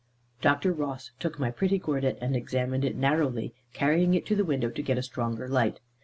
Dr. Ross took my pretty gordit, and examined it narrowly, carrying it to the window to get a stronger light.